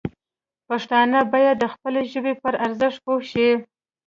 پښتانه باید د خپلې ژبې پر ارزښت پوه شي.